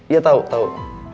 iya tau tau